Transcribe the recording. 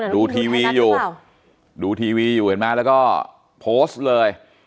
ดูทีวีอยู่เห็นมั้ยแล้วก็โพสต์เลย